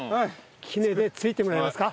杵でついてもらいますか。